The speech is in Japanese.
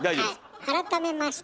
改めまして